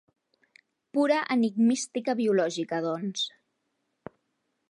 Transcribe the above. Pura enigmística biològica, doncs.